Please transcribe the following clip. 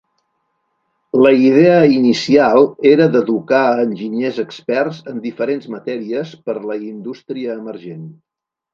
La idea inicial era d'educar enginyers experts en diferents matèries per la indústria emergent.